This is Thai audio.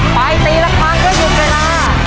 ไปตีละพังก็อยู่เวลา